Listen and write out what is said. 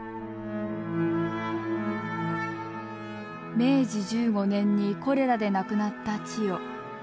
明治１５年にコレラで亡くなった千代。